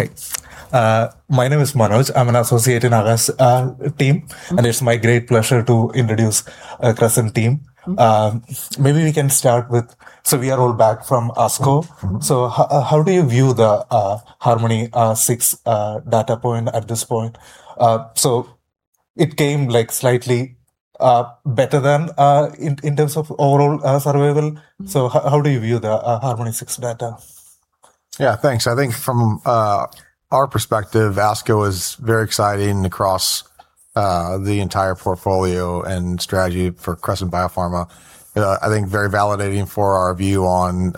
Hi. My name is Manoj. I'm an associate in RS team, and it's my great pleasure to introduce Crescent team. Maybe we can start with, so we are all back from ASCO. How do you view the HARMONi-6 data point at this point? It came slightly better than, in terms of overall survival. How do you view the HARMONi-6 data? Yeah, thanks. I think from our perspective, ASCO is very exciting across the entire portfolio and strategy for Crescent Biopharma. I think very validating for our view on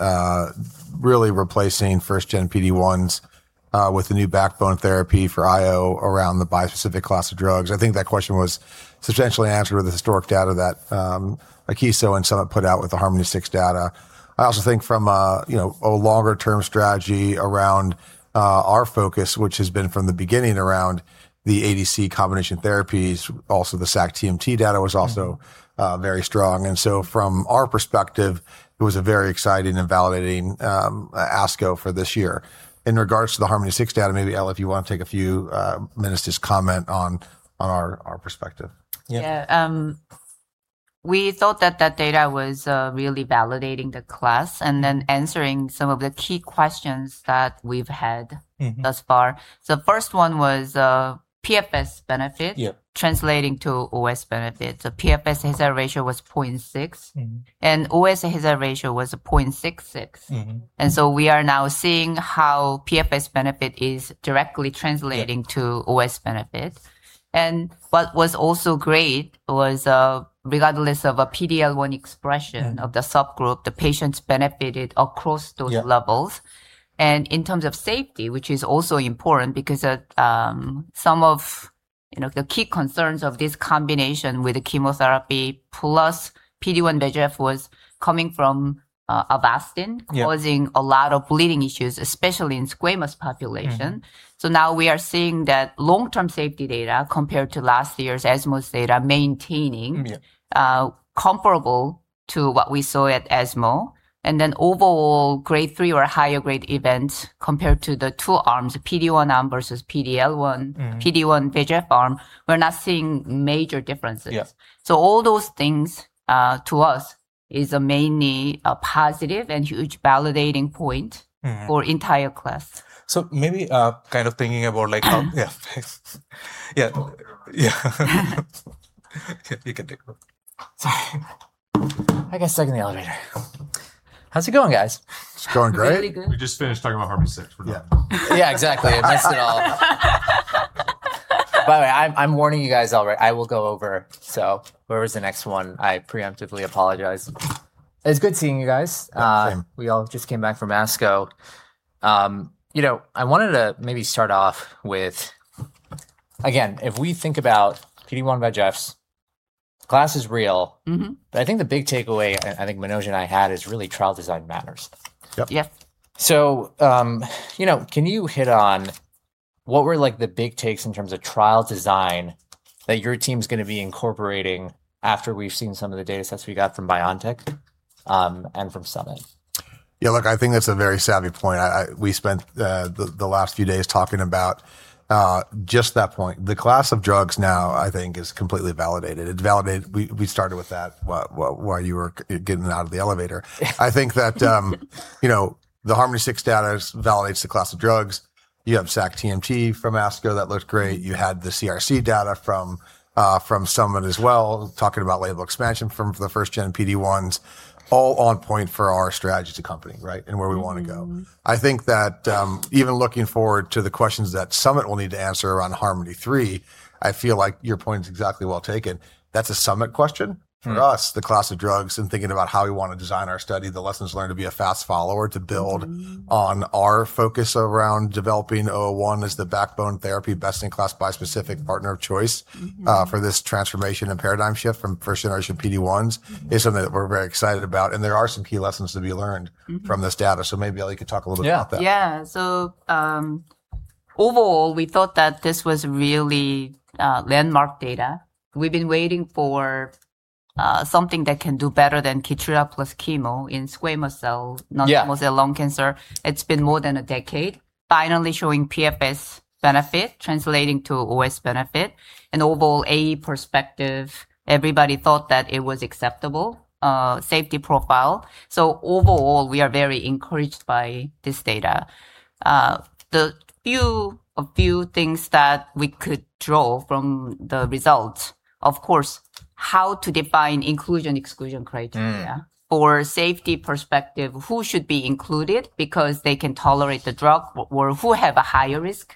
really replacing first gen PD1s, with the new backbone therapy for IO around the bispecific class of drugs. I think that question was substantially answered with the historic data that Akeso and Summit put out with the HARMONi-6 data. I also think from a longer term strategy around our focus, which has been from the beginning around the ADC combination therapies, also the sac-TMT data was also very strong. From our perspective, it was a very exciting and validating ASCO for this year. In regards to the HARMONi-6 data, maybe Ellie, if you want to take a few minutes, just comment on our perspective. Yeah. Yeah. We thought that that data was really validating the class, and then answering some of the key questions that we've had. thus far. The first one was PFS benefit. Yep translating to OS benefit. PFS hazard ratio was 0.6. OS hazard ratio was 0.66. We are now seeing how PFS benefit is directly translating to OS benefit. What was also great was, regardless of a PDL1 expression. of the subgroup, the patients benefited across those levels. Yeah. In terms of safety, which is also important because some of the key concerns of this combination with the chemotherapy plus PD1/VEGF was coming from Avastin. Yeah causing a lot of bleeding issues, especially in squamous population. Now we are seeing that long-term safety data compared to last year's ESMO's data. Yeah comparable to what we saw at ESMO, and then overall Grade 3 or higher grade events compared to the two arms, PD1 arm versus PDL1. PD1/VEGF arm, we're not seeing major differences. Yeah. All those things, to us, is mainly a positive and huge validating point. for entire class. Maybe thinking about how. Yeah. Yeah. You can take off. Sorry. I got stuck in the elevator. How's it going, guys? It's going great. It's pretty good. We just finished talking about HARMONi-6. We're done. Yeah, exactly. I missed it all. By the way, I'm warning you guys already, I will go over. Wherever is the next one, I preemptively apologize. It's good seeing you guys. Yeah, same. We all just came back from ASCO. I wanted to maybe start off with, again, if we think about PD-1/VEGFs, class is real. I think the big takeaway, I think Manoj and I had, is really trial design matters. Yep. Yep. Can you hit on what were the big takes in terms of trial design that your team's going to be incorporating after we've seen some of the data sets we got from BioNTech and from Summit? Look, I think that's a very savvy point. We spent the last few days talking about just that point. The class of drugs now, I think, is completely validated. We started with that while you were getting out of the elevator. I think that the HARMONi-6 data validates the class of drugs. You have sac-TMT from ASCO that looked great. You had the CRC data from Summit as well, talking about label expansion from the first-gen PD1s, all on point for our strategy to company, right, and where we want to go. I think that even looking forward to the questions that Summit will need to answer around HARMONi-3, I feel like your point is exactly well taken. That's a Summit question. For us, the class of drugs and thinking about how we want to design our study, the lessons learned to be a fast follower to build- on our focus around developing CR-001 as the backbone therapy, best in class bispecific partner of choice. for this transformation and paradigm shift from first generation PD1s. is something that we're very excited about. There are some key lessons to be learned. from this data. Maybe Ellie could talk a little bit about that. Yeah. Yeah. Overall, we thought that this was really landmark data. We've been waiting for something that can do better than KEYTRUDA plus chemo in squamous cell- Yeah non-small cell lung cancer. It's been more than a decade. Finally showing PFS benefit translating to OS benefit. In overall AE perspective, everybody thought that it was acceptable safety profile. Overall, we are very encouraged by this data. The few things that we could draw from the results, of course, how to define inclusion/exclusion criteria. For safety perspective, who should be included because they can tolerate the drug, or who have a higher risk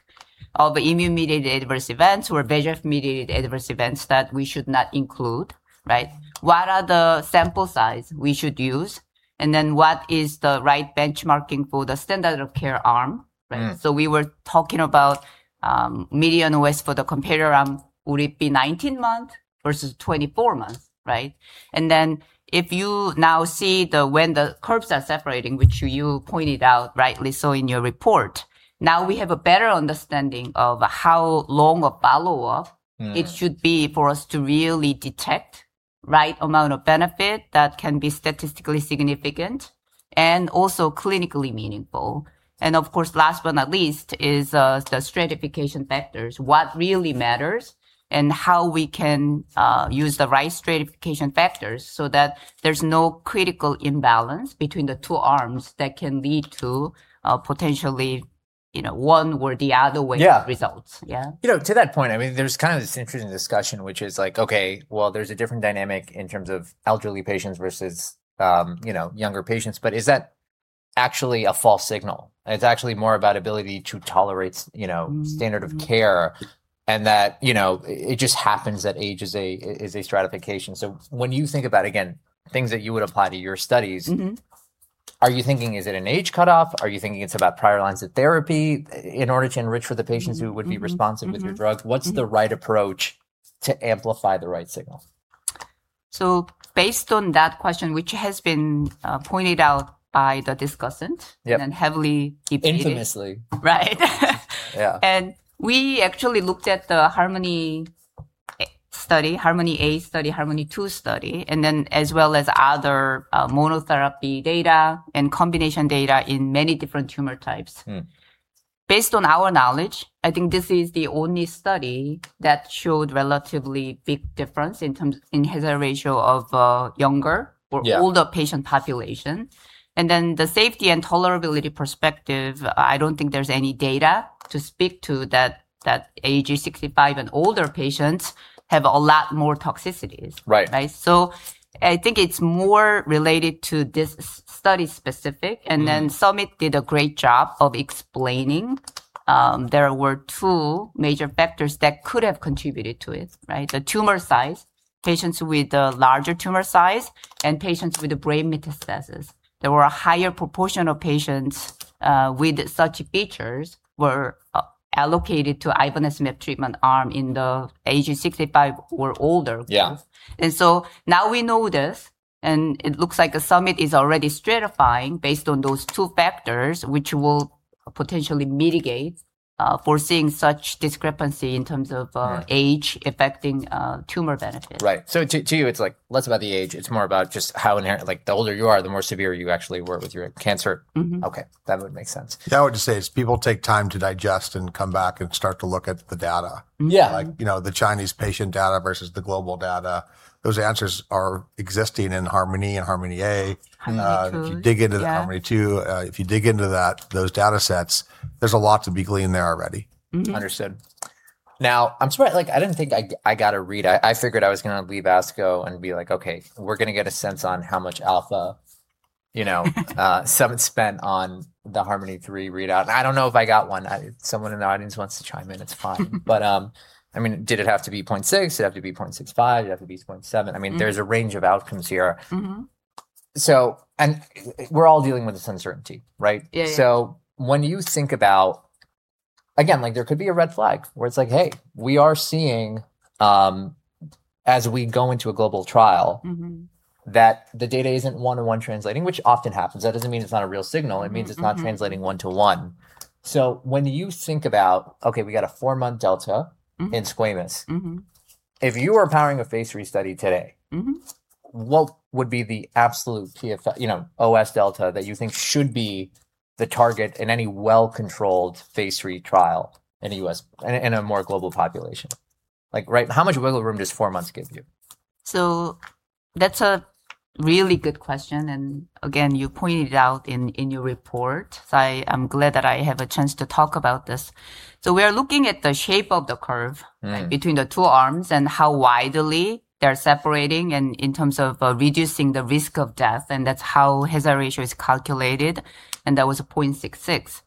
of immune-mediated adverse events or VEGF-mediated adverse events that we should not include. Right? What is the sample size we should use? What is the right benchmarking for the standard of care arm? Right? We were talking about median OS for the comparator arm. Would it be 19 months versus 24 months, right? If you now see when the curves are separating, which you pointed out rightly so in your report, now we have a better understanding of. It should be for us to really detect the right amount of benefit that can be statistically significant and also clinically meaningful. Of course, last but not least is the stratification factors, what really matters, and how we can use the right stratification factors so that there's no critical imbalance between the two arms that can lead to potentially one or the other way. Yeah of results. Yeah. To that point, there's this interesting discussion which is, okay, well, there's a different dynamic in terms of elderly patients versus younger patients. Is that actually a false signal? It's actually more about ability to tolerate standard of care, and that it just happens that age is a stratification. When you think about, again, things that you would apply to your studies. Are you thinking is it an age cutoff? Are you thinking it's about prior lines of therapy in order to enrich for the patients who would be responsive with your drug? What's the right approach to amplify the right signal? Based on that question, which has been pointed out by the discussant. Yep heavily debated. Intimately. Right. Yeah. We actually looked at the HARMONi study, HARMONi-A study, HARMONi-2 study, and then as well as other monotherapy data and combination data in many different tumor types. Based on our knowledge, I think this is the only study that showed relatively big difference in hazard ratio of younger- Yeah or older patient population. The safety and tolerability perspective, I don't think there's any data to speak to that age 65 and older patients have a lot more toxicities. Right. I think it's more related to this study specific. Summit did a great job of explaining. There were two major factors that could have contributed to it. The tumor size, patients with the larger tumor size, and patients with brain metastases. There were a higher proportion of patients with such features were allocated to ivonescimab treatment arm in the age 65 or older groups. Yeah. Now we know this, and it looks like the Summit is already stratifying based on those two factors, which will potentially mitigate foreseeing such discrepancy in terms of. Yeah age affecting tumor benefit. Right. To you, it's less about the age, it's more about just how the older you are, the more severe you actually were with your cancer. Okay. That would make sense. I would just say, as people take time to digest and come back and start to look at the data. Yeah. Like the Chinese patient data versus the global data, those answers are existing in HARMONi and HARMONi-A. HARMONi-II. If you dig into the HARMONi-2, if you dig into those data sets, there's a lot to be gleaned there already. Understood. I swear, I didn't think I got a read. I figured I was going to leave ASCO and be like, "Okay, we're going to get a sense on how much alpha Summit spent on the HARMONi-3 readout." I don't know if I got one. If someone in the audience wants to chime in, it's fine. Did it have to be 0.6? Did it have to be 0.65? Did it have to be 0.7? There's a range of outcomes here. We're all dealing with this uncertainty, right? Yeah. When you think about, again, there could be a red flag where it's like, Hey, we are seeing, as we go into a global trial. that the data isn't one to one translating," which often happens. That doesn't mean it's not a real signal. It means it's not translating one to one. When you think about, okay, we got a four-month delta in squamous. If you are powering a phase III study today. what would be the absolute OS delta that you think should be the target in any well-controlled phase III trial in a more global population? How much wiggle room does four months give you? That's a really good question, and again, you pointed it out in your report, so I am glad that I have a chance to talk about this. We are looking at the shape of the curve. Right Between the two arms and how widely they're separating and in terms of reducing the risk of death. That's how hazard ratio is calculated. That was a 0.66.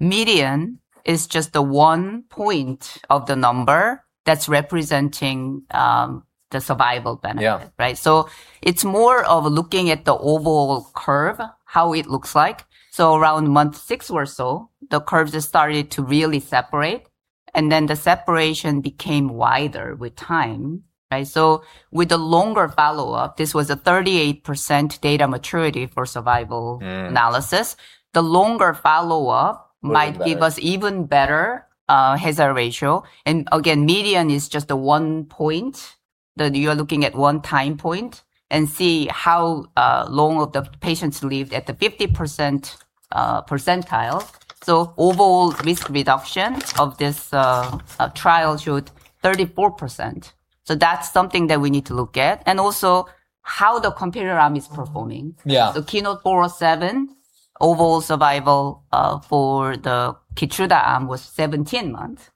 Median is just the one point of the number that's representing the survival benefit. Yeah. It's more of looking at the overall curve, how it looks like. Around month six or so, the curves started to really separate, and then the separation became wider with time. With the longer follow-up, this was a 38% data maturity for survival analysis. The longer follow-up might give us even better hazard ratio. Again, median is just a one point, that you are looking at one time point and see how long will the patients live at the 50% percentile. Overall risk reduction of this trial showed 34%. That's something that we need to look at, and also how the comparator arm is performing. Yeah. KEYNOTE-407, overall survival for the KEYTRUDA arm was 17 months.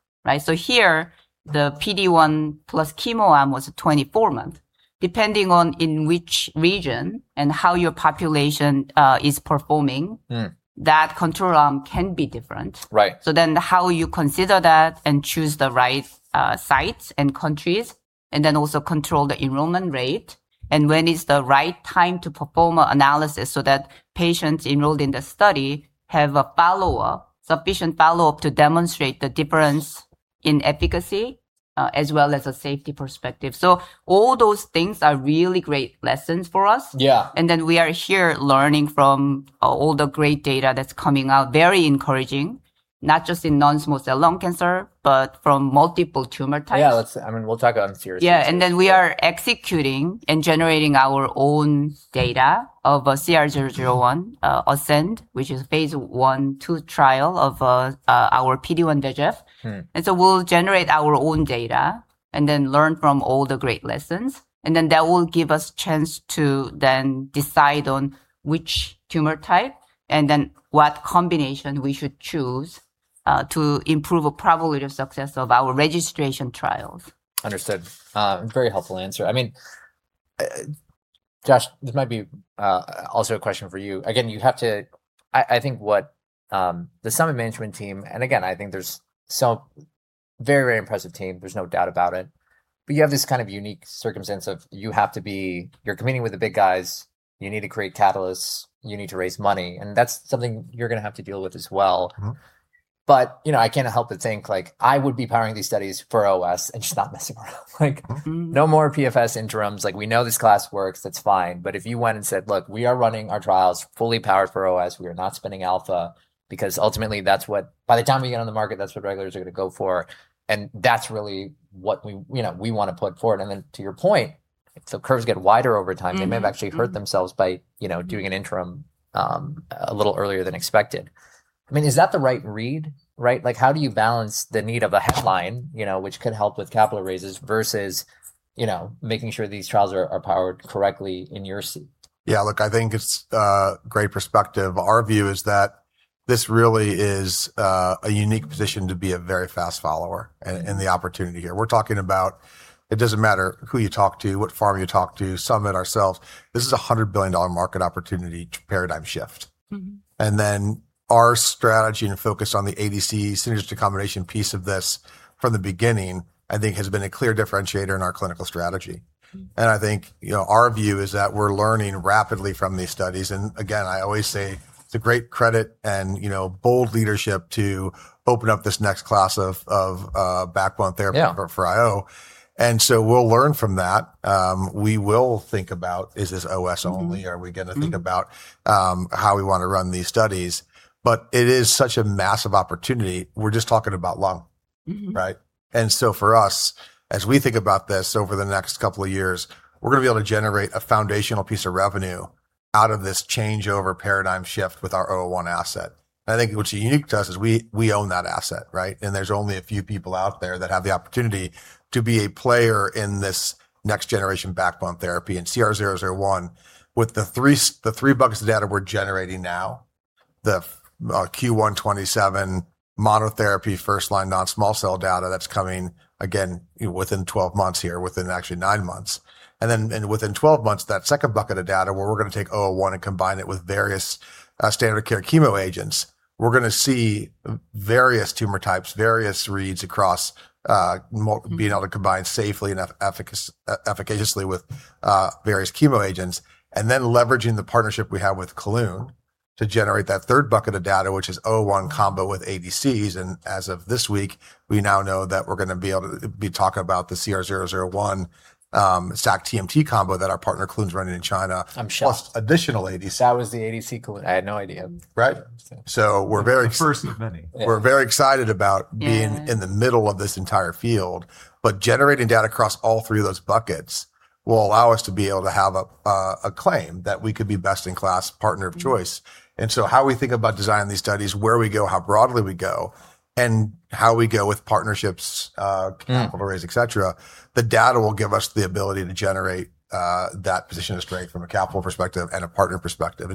Here, the PD1 plus chemo arm was a 24 month. Depending on in which region and how your population is performing. that control arm can be different. Right. How you consider that and choose the right sites and countries, and then also control the enrollment rate, and when is the right time to perform a analysis so that patients enrolled in the study have a sufficient follow-up to demonstrate the difference in efficacy, as well as a safety perspective. All those things are really great lessons for us. Yeah. We are here learning from all the great data that's coming out. Very encouraging, not just in non-small cell lung cancer, but from multiple tumor types. Yeah. We are executing and generating our own data of CR-001 ASCEND, which is phase I/II trial of our PD-1 x VEGF. We'll generate our own data and then learn from all the great lessons, and then that will give us chance to then decide on which tumor type and then what combination we should choose to improve a probability of success of our registration trials. Understood. Very helpful answer. Josh, this might be also a question for you. I think what the Summit management team, I think there's some very impressive team, there's no doubt about it. You have this kind of unique circumstance of You're competing with the big guys. You need to create catalysts. You need to raise money. That's something you're going to have to deal with as well. I can't help but think, I would be powering these studies for OS and just not messing around. Like no more PFS interims. Like we know this class works, that's fine. If you went and said, "Look, we are running our trials fully powered for OS. We are not spending alpha," because ultimately that's what, by the time we get on the market, that's what regulators are going to go for. That's really what we want to put forward. To your point, if the curves get wider over time. Mm-hmm, mm-hmm. they may have actually hurt themselves by doing an interim a little earlier than expected. Is that the right read? Right? Like how do you balance the need of a headline which could help with capital raises versus making sure these trials are powered correctly in your seat? Yeah, look, I think it's a great perspective. Our view is that this really is a unique position to be a very fast follower in the opportunity here. We're talking about, it doesn't matter who you talk to, what pharma you talk to, Summit ourselves, this is a $100 billion market opportunity paradigm shift. Our strategy and focus on the ADC synergist combination piece of this from the beginning, I think has been a clear differentiator in our clinical strategy. I think, our view is that we're learning rapidly from these studies. Again, I always say it's a great credit and bold leadership to open up this next class of backbone therapy. Yeah for IO. We'll learn from that. We will think about, is this OS only? Are we going to think about how we want to run these studies? It is such a massive opportunity. We're just talking about lung. Right? For us, as we think about this over the next couple of years, we're going to be able to generate a foundational piece of revenue out of this changeover paradigm shift with our CR-001 asset. I think what's unique to us is we own that asset, right? There's only a few people out there that have the opportunity to be a player in this next generation backbone therapy. CR-001, with the three buckets of data we're generating now, the Q127 monotherapy first-line non-small cell data that's coming again within 12 months here, within actually nine months. Within 12 months, that second bucket of data where we're going to take CR-001 and combine it with various standard of care chemo agents. We're going to see various tumor types, various reads across- being able to combine safely and efficaciously with various chemo agents. Leveraging the partnership we have with Kelun-Biotech to generate that third bucket of data, which is CR-001 combo with ADCs. As of this week, we now know that we're going to be able to be talking about the CR-001, SKB264 combo that our partner Kelun-Biotech's running in China. I'm shocked. plus additional ADCs. That was the ADC Kelun-Biotech. I had no idea. Right? The first of many. Yeah. We're very excited about being- Yeah In the middle of this entire field, generating data across all three of those buckets will allow us to be able to have a claim that we could be best in class partner of choice. How we think about designing these studies, where we go, how broadly we go, and how we go with partnerships. capital raise, et cetera, the data will give us the ability to generate that position of strength from a capital perspective and a partner perspective.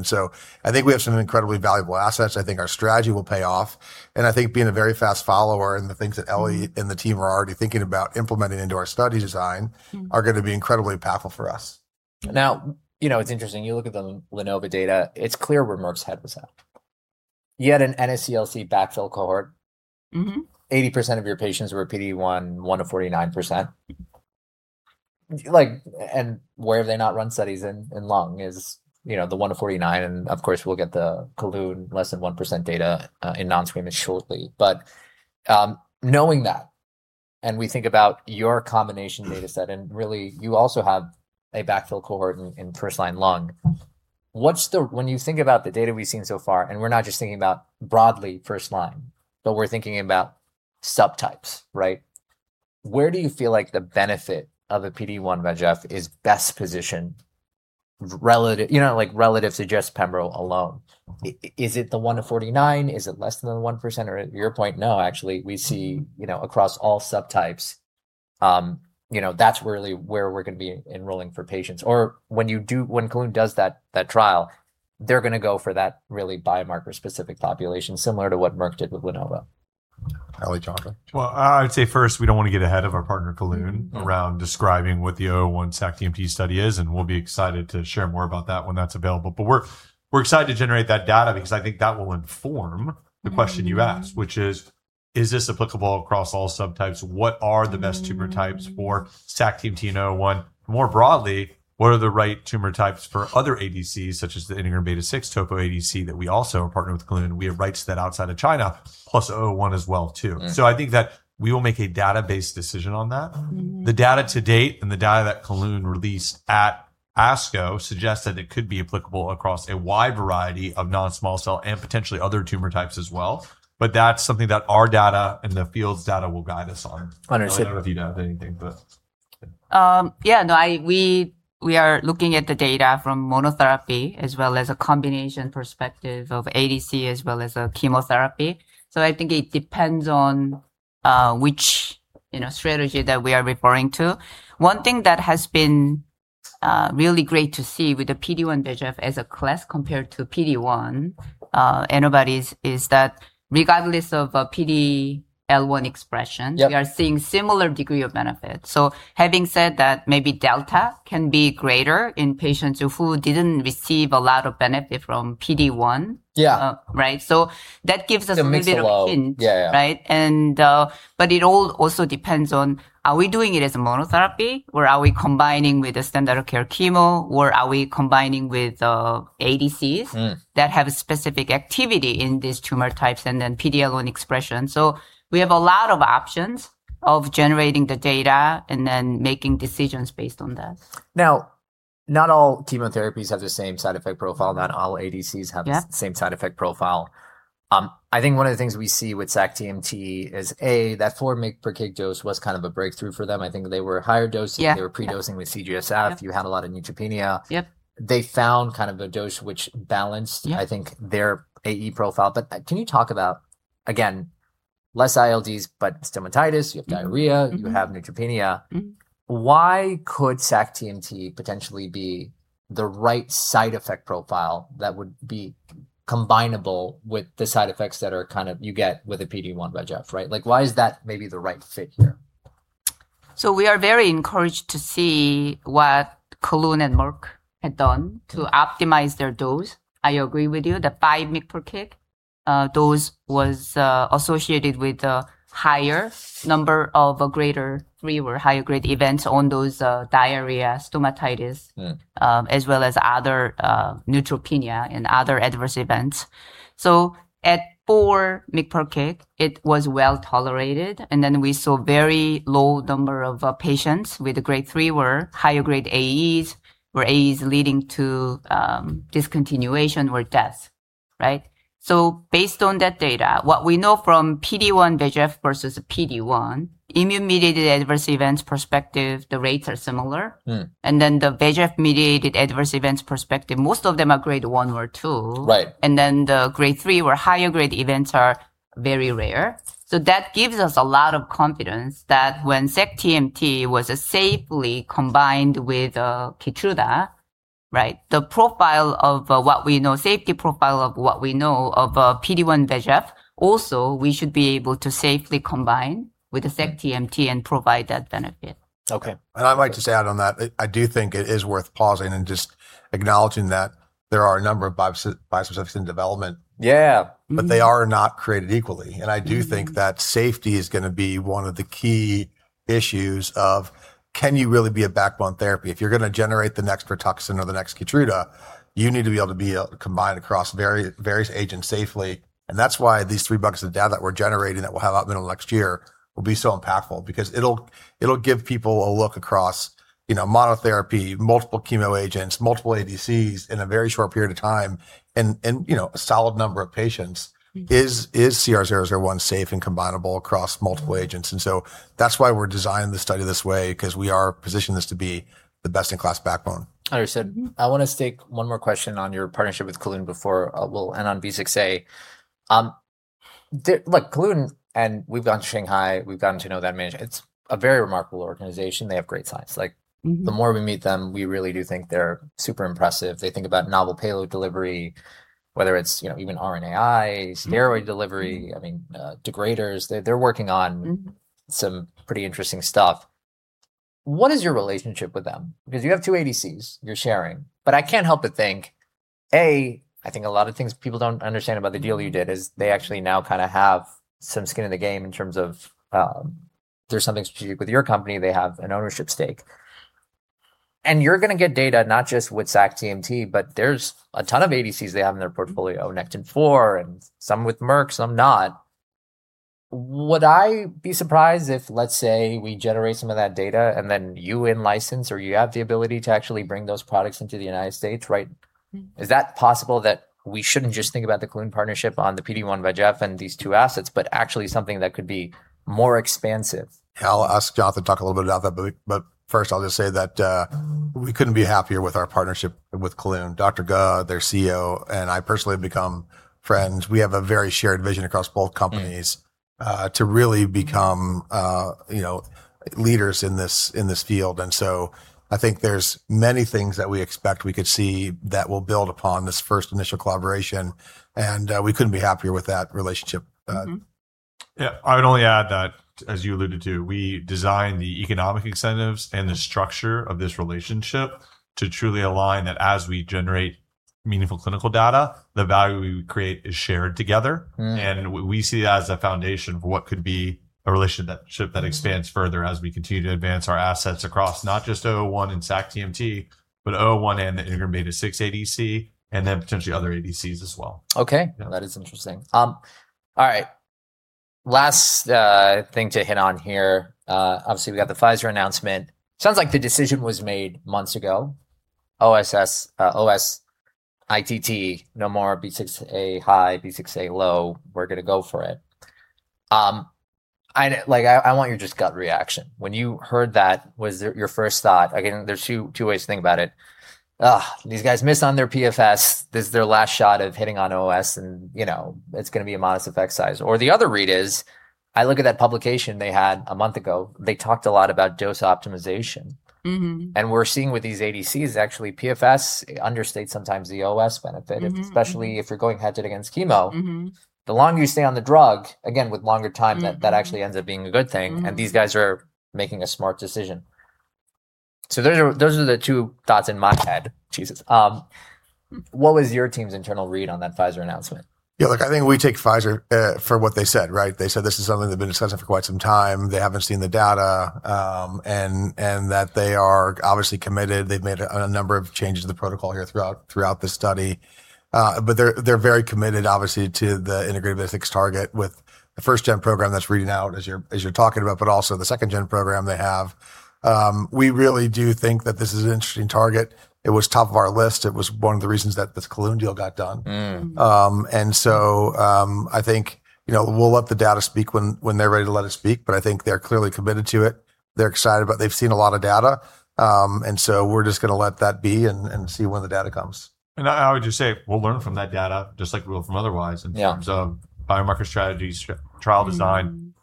I think we have some incredibly valuable assets. I think our strategy will pay off. I think being a very fast follower and the things that Ellie and the team are already thinking about implementing into our study design. are going to be incredibly powerful for us. Now, it's interesting. You look at the LENVIMA data, it's clear where Merck's head was at. You had an NSCLC backfill cohort. 80% of your patients were PD-1, 1%-49%. Where have they not run studies in lung is the 1%-49%, of course, we'll get the Kelun less than 1% data in non-squamous shortly. Knowing that, and we think about your combination data set, and really, you also have a backfill cohort in first line lung. When you think about the data we've seen so far, and we're not just thinking about broadly first line, but we're thinking about subtypes, right? Where do you feel like the benefit of a PD-1/PD-L1 is best positioned relative to just pembro alone? Is it the 1%-49%? Is it less than the 1%? To your point, no, actually, we see across all subtypes, that's really where we're going to be enrolling for patients. When Kelun-Biotech does that trial, they're going to go for that really biomarker specific population, similar to what Merck did with LENVIMA. Ellie, Jonathan. Well, I would say first, we don't want to get ahead of our partner Kelun-Biotech around describing what the CR-001 SKB264 study is, and we'll be excited to share more about that when that's available. We're excited to generate that data because I think that will inform the question you asked, which is this applicable across all subtypes? What are the best tumor types for SKB264 and CR-001? More broadly, what are the right tumor types for other ADCs, such as the integrin beta 6 ADC that we also are partnered with Kelun-Biotech. We have rights to that outside of China, plus CR-001 as well, too. I think that we will make a database decision on that. The data to date and the data that Kelun-Biotech released at. ASCO suggests that it could be applicable across a wide variety of non-small cell and potentially other tumor types as well. That's something that our data and the field's data will guide us on. Understood. I don't know if you have anything, but. Yeah. No, we are looking at the data from monotherapy as well as a combination perspective of ADC as well as a chemotherapy. I think it depends on which strategy that we are referring to. One thing that has been really great to see with the PD-1 x VEGF as a class compared to PD1 antibodies is that regardless of PDL1 expression. Yep We are seeing similar degree of benefit. Having said that, maybe delta can be greater in patients who didn't receive a lot of benefit from PD-1. Yeah. Right? It makes it low. hint. Yeah. Right? It all also depends on are we doing it as a monotherapy, or are we combining with a standard of care chemo, or are we combining with ADCs. that have a specific activity in these tumor types and then PD-L1 expression. We have a lot of options of generating the data and then making decisions based on that. Now, not all chemotherapies have the same side effect profile. Not all ADCs have. Yeah same side effect profile. I think one of the things we see with sac-TMT is, A, that 4 mg/kg dose was kind of a breakthrough for them. I think they were higher dosing. Yeah. They were pre-dosing with G-CSF. Yeah. You had a lot of neutropenia. Yep. They found kind of a dose which balanced- Yeah I think, their AE profile. Can you talk about, again, less ILDs, but stomatitis, you have diarrhea? you have neutropenia. Why could sac-TMT potentially be the right side effect profile that would be combinable with the side effects that you get with a PD-1 x VEGF, right? Why is that maybe the right fit here? We are very encouraged to see what Kelun-Biotech and Merck had done to optimize their dose. I agree with you, the 5 mg per kg dose was associated with a higher number of greater 3 or higher grade events on those diarrhea, stomatitis. as well as other neutropenia and other adverse events. At 4 mg per kg, it was well-tolerated. We saw very low number of patients with a Grade 3 or higher grade AEs or AEs leading to discontinuation or death. Right? Based on that data, what we know from PD-1/VEGF versus PD1, immune-mediated adverse events perspective, the rates are similar. The VEGF-mediated adverse events perspective, most of them are Grade 1 or 2. Right. The Grade 3 or higher grade events are very rare. That gives us a lot of confidence that when sac-TMT was safely combined with KEYTRUDA, right, the safety profile of what we know of PD-1 x VEGF, also, we should be able to safely combine with the sac-TMT and provide that benefit. Okay. I'd like to add on that. I do think it is worth pausing and just acknowledging that there are a number of bispecifics in development. Yeah. Mm-hmm. They are not created equally. I do think that safety is going to be one of the key issues of can you really be a backbone therapy? If you're going to generate the next Tecentriq or the next KEYTRUDA, you need to be able to be combined across various agents safely. That's why these three buckets of data that we're generating that we'll have out middle of next year will be so impactful because it'll give people a look across monotherapy, multiple chemo agents, multiple ADCs in a very short period of time, and a solid number of patients. Is CR-001 safe and combinable across multiple agents? That's why we're designing the study this way, because we are positioning this to be the best-in-class backbone. Understood. I want to stake one more question on your partnership with Kelun-Biotech before we'll end on V6-A. Look, Kelun-Biotech, and we've gone to Shanghai, we've gotten to know that management. It's a very remarkable organization. They have great science. The more we meet them, we really do think they're super impressive. They think about novel payload delivery, whether it's even RNAi. steroid delivery. I mean, degraders. some pretty interesting stuff. What is your relationship with them? You have two ADCs you're sharing. I can't help but think, A, I think a lot of things people don't understand about the deal you did is they actually now kind of have some skin in the game in terms of if there's something strategic with your company, they have an ownership stake. You're going to get data not just with sac-TMT, but there's a ton of ADCs they have in their portfolio, nectin-4, and some with Merck, some not. Would I be surprised if, let's say, we generate some of that data and then you in-license, or you have the ability to actually bring those products into the United States, right? Is that possible that we shouldn't just think about the Kelun-Biotech partnership on the PD-1 x VEGF and these two assets, but actually something that could be more expansive? I'll ask Jonathan to talk a little bit about that. First, I'll just say that we couldn't be happier with our partnership with Kelun-Biotech. Dr. Gao, their CEO, and I personally have become friends. We have a very shared vision across both companies. to really become leaders in this field. I think there's many things that we expect we could see that will build upon this first initial collaboration, and we couldn't be happier with that relationship. Yeah. I would only add that, as you alluded to, we designed the economic incentives and the structure of this relationship to truly align that as we generate meaningful clinical data, the value we create is shared together. We see that as a foundation for what could be a relationship that expands further as we continue to advance our assets across not just 001 and sac-TMT, but 001 and the integrin beta 6 ADC, and then potentially other ADCs as well. Okay. Yeah. That is interesting. All right. Last thing to hit on here, obviously we got the Pfizer announcement. Sounds like the decision was made months ago. OS ITT, no more V6A high, V6A low, we're going to go for it. I want your just gut reaction. When you heard that, what was your first thought? Again, there's two ways to think about it. These guys missed on their PFS. This is their last shot of hitting on OS, and it's going to be a modest effect size. The other read is, I look at that publication they had a month ago. They talked a lot about dose optimization. We're seeing with these ADCs, actually PFS understates sometimes the OS benefit, especially if you're going head-to-head against chemo. The longer you stay on the drug, again, with longer time, that actually ends up being a good thing. These guys are making a smart decision. Those are the two thoughts in my head. Jesus. What was your team's internal read on that Pfizer announcement? Yeah, look, I think we take Pfizer for what they said, right? They said this is something they've been discussing for quite some time. That they haven't seen the data, and that they are obviously committed. They've made a number of changes to the protocol here throughout this study. They're very committed, obviously, to the integrin beta 6 target with the first-gen program that's reading out as you're talking about, but also the second-gen program they have. We really do think that this is an interesting target. It was top of our list. It was one of the reasons that the Callidion deal got done. Mm. Mm-hmm. I think we'll let the data speak when they're ready to let it speak, but I think they're clearly committed to it. They're excited about it. They've seen a lot of data. We're just going to let that be and see when the data comes. I would just say we'll learn from that data just like we will from. Yeah in terms of biomarker strategies, trial design.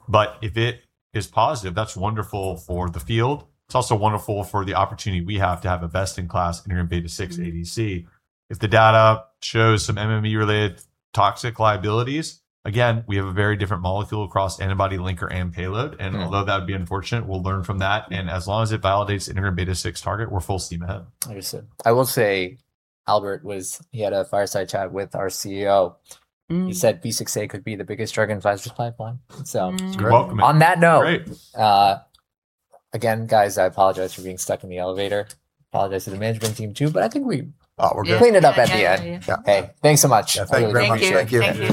If it is positive, that's wonderful for the field. It's also wonderful for the opportunity we have to have a best-in-class integrin Beta6 ADC. If the data shows some MMAE-related toxic liabilities, again, we have a very different molecule across antibody linker and payload. Although that would be unfortunate, we'll learn from that. As long as it validates integrin beta 6 target, we're full steam ahead. Understood. I will say Albert, he had a fireside chat with our CEO. He said V6A could be the biggest drug in Pfizer's pipeline. It's great. on that note. Great. Again, guys, I apologize for being stuck in the elevator. Apologize to the management team, too. Oh, we're good cleaned it up at the end. Yeah. Hey, thanks so much. Yeah, thank you very much. Thank you. Thank you.